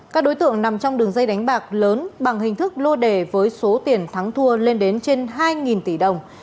các đối tượng nằm trong đường dây đánh bạc lớn bằng hình thức lô đề với số tiền thắng thua lên đến trên hai tỷ đồng